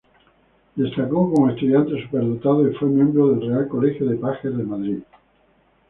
Destacó como estudiante superdotado y fue miembro del Real Colegio de Pajes de Madrid.